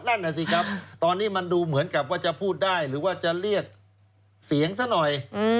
นั่นน่ะสิครับตอนนี้มันดูเหมือนกับว่าจะพูดได้หรือว่าจะเรียกเสียงซะหน่อย